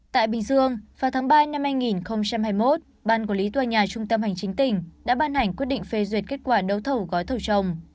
tại bình dương vào tháng ba năm hai nghìn hai mươi một ban quản lý tòa nhà trung tâm hành chính tỉnh đã ban hành quyết định phê duyệt kết quả đấu thầu gói thầu trồng